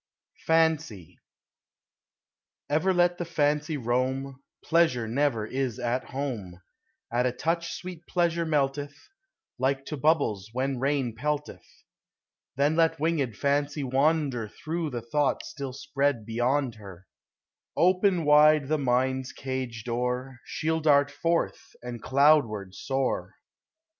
FANCY. Ever let the Fancy roam, Pleasure never is at home : At a touch sweet Pleasure melteth, Like to hubbies when rain pelteth ; Then let winged Fancy wander Through the thought still spread beyond her : Open wide the mind's cage door, She '11 dart forth, and cloud ward soar.